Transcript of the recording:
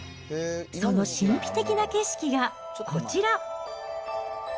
その神秘的な景色が、こちら。